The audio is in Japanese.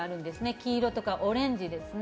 黄色とかオレンジですね。